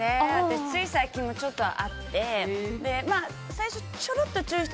私、つい最近もちょっとあって。